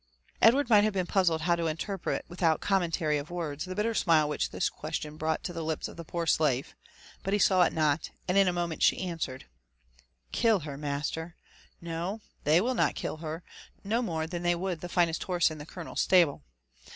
Edward might have been puzzled how to interpret without the com mentary of words the bitter smile which this question brought to the h'ps of the poor slave ; but he saw it not, — and in a moment she answered, *' Kill her, master 1 — No, they will not kill her, no more than they would the finest horse in the colonel's stable.